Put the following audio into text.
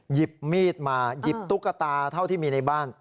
หยิบมีดมาหยิบตุ๊กตาเท่าที่มีในบ้าน